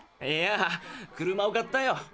いや車を買ったよ。